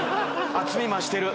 厚み増してる！